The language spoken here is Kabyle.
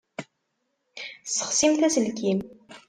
Tessexsimt aselkim.